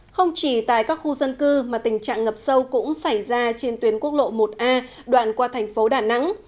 không chỉ tại các khu dân cư mà tình trạng ngập sâu cũng xảy ra trên tuyến quốc lộ một a đoạn qua thành phố đà nẵng